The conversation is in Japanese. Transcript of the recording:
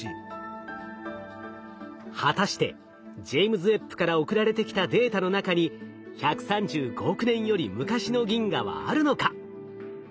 果たしてジェイムズ・ウェッブから送られてきたデータの中に１３５億年より昔の銀河はあるのか？